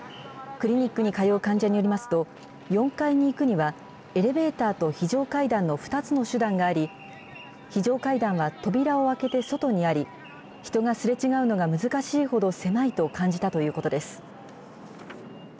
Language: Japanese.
クリニックに通う患者によりますと、４階に行くには、エレベーターと非常階段の２つの手段があり、非常階段は扉を開けて外にあり、人がすれ違うのが難しいほど狭いと感じたということです。